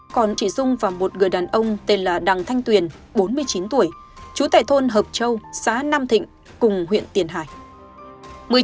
còn chị dung và một người đàn ông tên là đằng thanh tuyền bốn mươi chín tuổi chú tài thôn hợp châu xá nam thịnh cùng huyện tiền hải